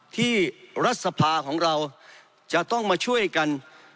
ที่รัฐสภาของเราจะต้องมาช่วยกัน